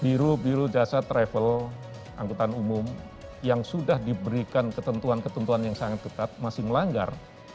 biro biru jasa travel angkutan umum yang sudah diberikan ketentuan ketentuan yang sangat ketat masih melanggar